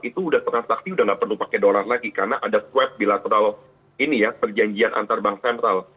itu udah transaksi udah nggak perlu pakai dolar lagi karena ada swab bilateral ini ya perjanjian antar bank sentral